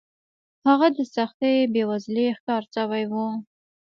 هغه د سختې بېوزلۍ ښکار شوی و.